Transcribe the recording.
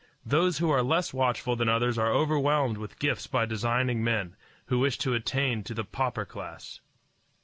Those who are less watchful than others are overwhelmed with gifts by designing men, who wish to attain to the pauper class.